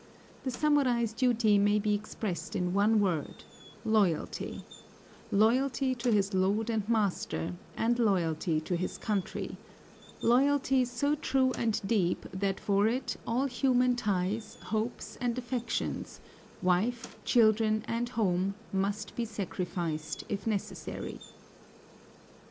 The samurai's duty may be expressed in one word, loyalty, loyalty to his lord and master, and loyalty to his country, loyalty so true and deep that for it all human ties, hopes, and affections, wife, children, and home, must be sacrificed if necessary.